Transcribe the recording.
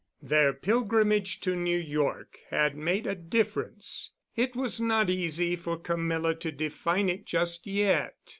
Their pilgrimage to New York had made a difference. It was not easy for Camilla to define it just yet.